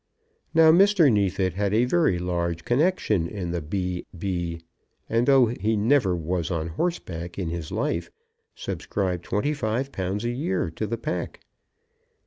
Now, Mr. Neefit had a very large connexion in the B. B., and, though he never was on horseback in his life, subscribed twenty five pounds a year to the pack.